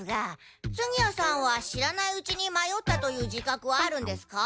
次屋さんは知らないうちに迷ったという自覚はあるんですか？